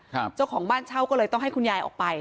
เจ้าของบ้านเช่าก็เลยต้องให้คุณยายออกไป